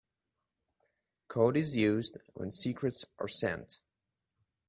Code is used when secrets are sent.